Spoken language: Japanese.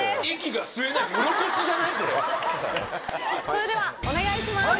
それではお願いします！